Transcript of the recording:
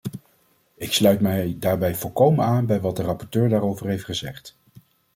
Ik sluit mij daarbij volkomen aan bij wat de rapporteur daarover heeft gezegd.